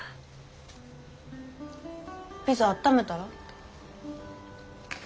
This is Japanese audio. ピザあっためたら？